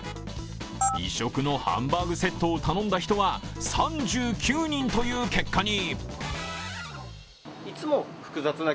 異色のハンバーグセットを頼んだ人は３９人という結果に。